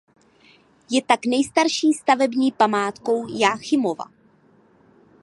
Je tak nejstarší stavební památkou Jáchymova.